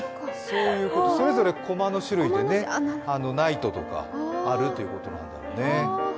それぞれ駒の種類でね、ナイトとかあるということなんだろうね。